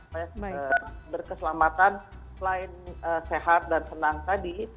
supaya berkeselamatan selain sehat dan senang tadi